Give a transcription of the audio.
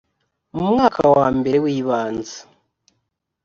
mu mwaka wambere wibanze